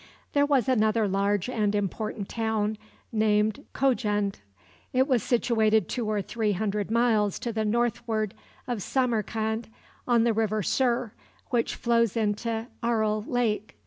There was another large and important town named Kojend. It was situated two or three hundred miles to the northward of Samarcand, on the River Sir, which flows into Aral Lake.